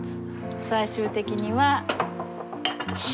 最終的には塩。